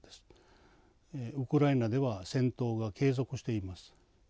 ウクライナでは戦闘が継続しています。